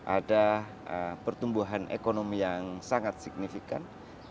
ada pertumbuhan ekonomi yang sangat signifikan